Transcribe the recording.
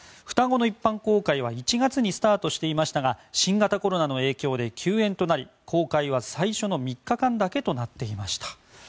双子の一般公開は１月にスタートしていましたが新型コロナの影響で休園となり公開は最初の３日間だけとなっていました。